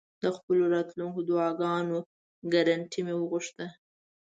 د خپلو راتلونکو دعاګانو ګرنټي مې وغوښته.